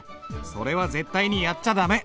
それは絶対にやっちゃ駄目！